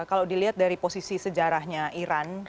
kalau dilihat dari posisi sejarahnya iran